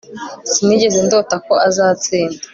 Sinigeze ndota ko azatsinda